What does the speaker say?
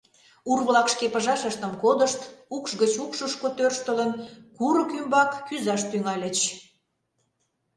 Ур-влак шке пыжашыштым кодышт, укш гыч укшышко тӧрштылын, курык ӱмбак кӱзаш тӱҥальыч.